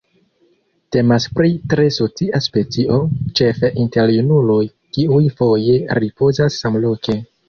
Temas pri tre socia specio, ĉefe inter junuloj kiuj foje ripozas samloke.